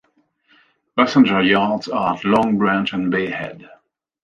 Passenger yards are at Long Branch and Bay Head.